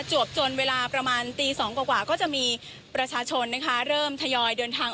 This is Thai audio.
วบจนเวลาประมาณตี๒กว่าก็จะมีประชาชนนะคะเริ่มทยอยเดินทาง